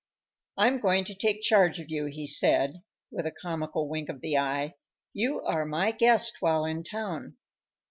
"I'm going to take charge of you," he said, with a comical wink of the eye; "you are my guest while in town."